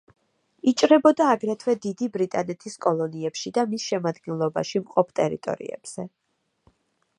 იჭრებოდა აგრეთვე დიდი ბრიტანეთის კოლონიებში და მის შემადგენლობაში მყოფ ტერიტორიებზე.